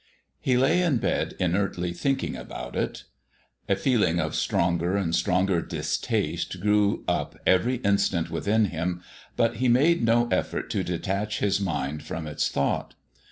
He lay in bed inertly thinking about it. A feeling of stronger and stronger distaste grew up every instant within him, but he made no effort to detach his mind from its thought.